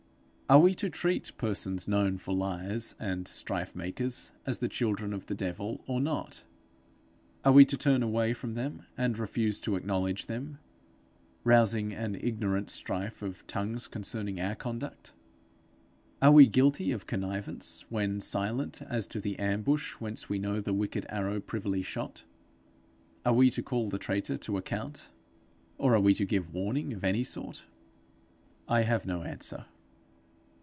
Are we to treat persons known for liars and strife makers as the children of the devil or not? Are we to turn away from them, and refuse to acknowledge them, rousing an ignorant strife of tongues concerning our conduct? Are we guilty of connivance, when silent as to the ambush whence we know the wicked arrow privily shot? Are we to call the traitor to account? or are we to give warning of any sort? I have no answer.